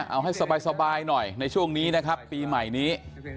เอาให้สบายหน่อยในช่วงนี้นะครับปีใหม่นี้